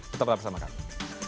tetap bersama kami